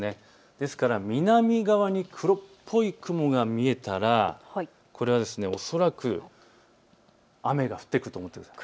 ですから南側に黒っぽい雲が見えたら、恐らく雨が降ってくると思ってください。